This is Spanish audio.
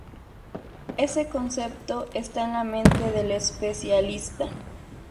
Ese concepto está en la mente del especialista.